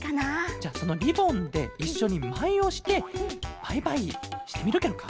じゃそのリボンでいっしょにまいをしてバイバイしてみるケロか？